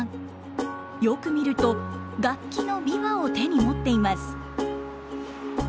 よく見ると楽器の琵琶を手に持っています。